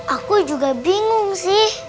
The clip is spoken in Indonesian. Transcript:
aku juga bingung sih